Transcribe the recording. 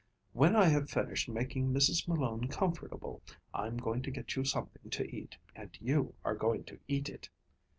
"When I have finished making Mrs. Malone comfortable, I'm going to get you something to eat, and you are going to eat it.